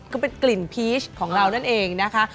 ก็เป็นกลิ่นพีชของเรานั่นเองนะคะ